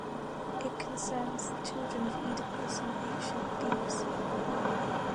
It concerns the children of Oedipus in Ancient Thebes.